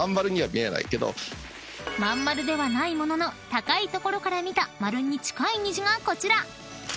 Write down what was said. ［真ん丸ではないものの高い所から見た丸に近い虹がこちら］